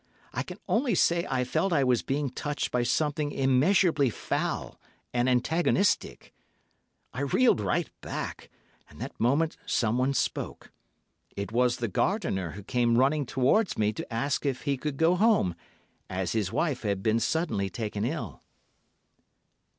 I can only say I felt I was being touched by something immeasurably foul and antagonistic. I reeled right back, and that moment someone spoke. It was the gardener who came running towards me to ask if he could go home, as his wife had suddenly been taken ill."